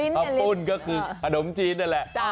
ลิ้นนะลิ้นฮะขับปลงก็คือขนมจีนนั่นแหละ